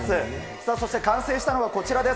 さあそして、完成したのがこちらです。